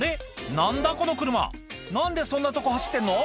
何だこの車何でそんなとこ走ってんの？